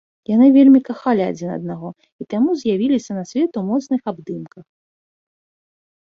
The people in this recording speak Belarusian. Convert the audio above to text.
Яны вельмі кахалі адзін аднаго і таму з'явіліся на свет у моцных абдымках.